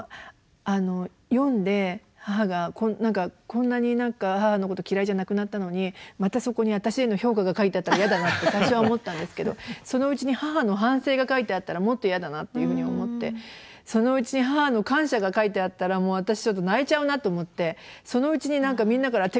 読んで母が何かこんなに母のこと嫌いじゃなくなったのにまたそこに私への評価が書いてあったら嫌だなって最初は思ったんですけどそのうちに母の反省が書いてあったらもっと嫌だなっていうふうに思ってそのうちに母の感謝が書いてあったらもう私ちょっと泣いちゃうなと思ってそのうちに何かみんなから「手紙どうしました？